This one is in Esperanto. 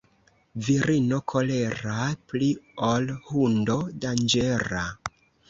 Virino kolera pli ol hundo danĝera.